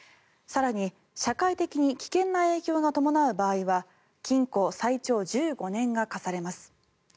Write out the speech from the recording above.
更に、社会的に危険な影響が伴う場合は禁錮最長１５年が科されます。